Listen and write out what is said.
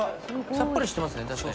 さっぱりしてますね。